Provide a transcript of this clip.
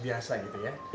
biasa gitu ya